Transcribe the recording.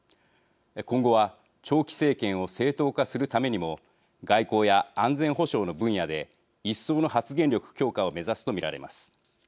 今後は長期政権を正当化するためにも外交や安全保障の分野で一層の発言力強化を目指すと見られます。